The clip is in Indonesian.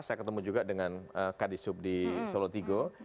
saya ketemu juga dengan kadisub di solotigo